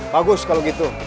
bagus kalau gitu